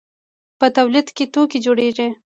په تولید کې توکي جوړیږي.